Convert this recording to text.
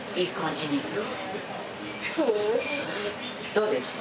どうですか？